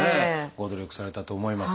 ご努力されたと思います。